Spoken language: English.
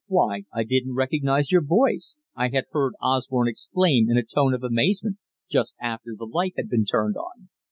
Why, I didn't recognize your voice," I had heard Osborne exclaim in a tone of amazement just after the light had been turned on.